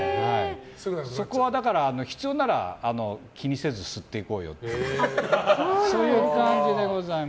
そこは必要なら気にせず吸っていこうよっていうそういう感じでございます。